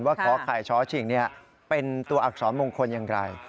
ขอไข่ช้อชิงเป็นตัวอักษรมงคลอย่างไร